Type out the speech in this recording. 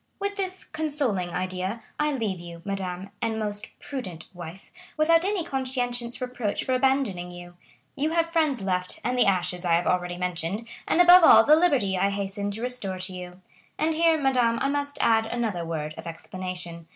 With this consoling idea, I leave you, madame, and most prudent wife, without any conscientious reproach for abandoning you; you have friends left, and the ashes I have already mentioned, and above all the liberty I hasten to restore to you. And here, madame, I must add another word of explanation.